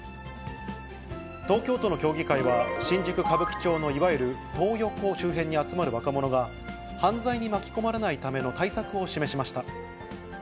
東京都の協議会は、新宿・歌舞伎町のいわゆるトー横周辺に集まる若者が、犯罪に巻き込まれないための対策を示しました。